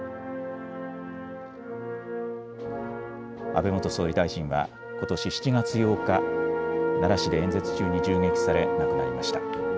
安倍元総理大臣は、ことし７月８日、奈良市で演説中に銃撃され、亡くなりました。